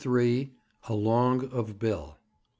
'ALONG OF BILL.'